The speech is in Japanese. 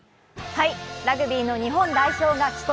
ラグビーの日本代表が帰国。